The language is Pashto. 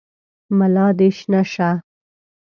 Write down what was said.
ملا دي شنه شه !